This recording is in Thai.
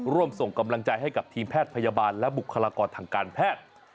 ร่วมส่งกำลังใจให้กับทีมแพทย์พยาบาลและบุคลากรทางการแพทย์